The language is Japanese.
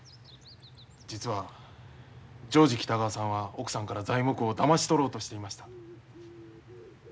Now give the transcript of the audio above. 実はジョージ北川さんは奥さんから材木をだまし取ろうとしていました。